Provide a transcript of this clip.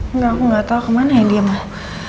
enggak aku gak tau kemana ya dia mau